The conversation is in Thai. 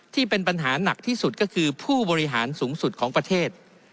ที่เป็นปัญหาหนักที่สุดก็คือผู้บริหารสูงสุดของประเทศ